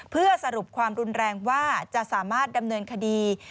เพื่อสรุปความรุนแรงว่าจะสามารถดำเนินคดี